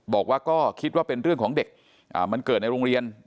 บอกว่าก็คิดว่าเป็นเรื่องของเด็กมันเกิดในโรงเรียน